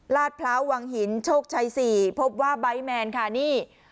พร้าววังหินโชคชัย๔พบว่าไบท์แมนค่ะนี่